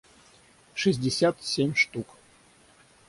шестьдесят семь штук